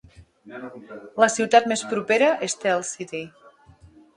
La ciutat més propera és Tell City.